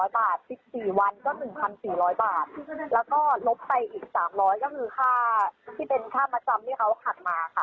ให้หนูไปแจ้งความได้เลย